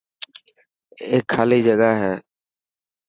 اي خالي جگا هي.